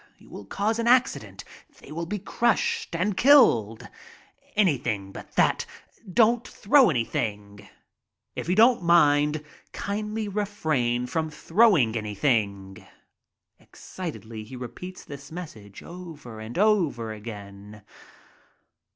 You will cause an accident. They will be crushed and killed. Anything but that, don't throw anything. If 52 MY TRIP ABROAD you don't mind, kindly refrain from throwing anything." Excitedly he repeats his message over and over again.